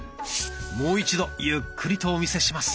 もう一度ゆっくりとお見せします。